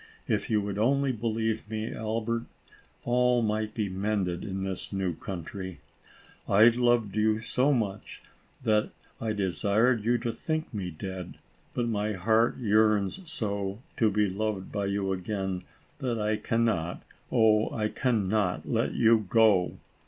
If you would only believe me, Albert, all might be mended in this new country. I loved you so much that I desired you to think me dead, but my heart yearns so, to be loved by you again, that I can not, oh I can not, let you go